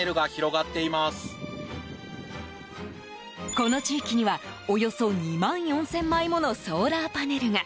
この地域にはおよそ２万４０００枚ものソーラーパネルが。